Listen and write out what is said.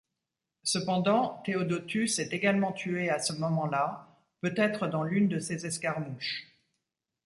Cependant, Théodotus est également tué à ce moment-là, peut-être dans l'une de ces escarmouches.